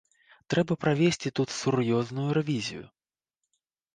Трэба правесці тут сур'ёзную рэвізію.